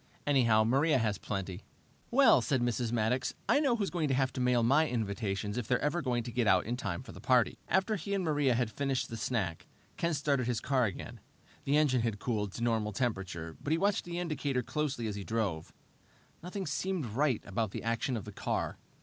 Anyhow, Maria has plenty." "Well," said Mrs. Maddox, "I know who's going to have to mail my invitations if they're ever to get out in time for the party!" After he and Maria had finished the snack, Ken started his car again. The engine had cooled to normal temperature, but he watched the indicator closely as he drove. Nothing seemed right about the action of the car.